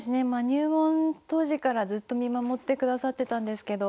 入門当時からずっと見守ってくださってたんですけど